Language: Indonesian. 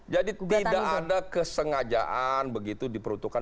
jadi tidak ada kesengajaan begitu diperuntukkan